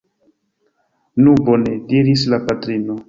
Nu bone! diris la patrino.